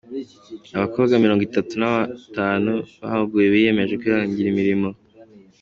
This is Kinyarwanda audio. Abakobwa mirongo itatu na batanu bahuguwe biyemeje kwihangira imirimo